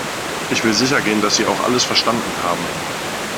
Ich will sicher gehen, dass Sie auch alles verstanden haben.